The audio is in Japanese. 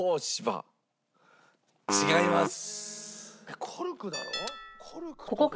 違います。